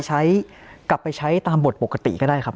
กลับไปใช้ตามบทปกติก็ได้ครับ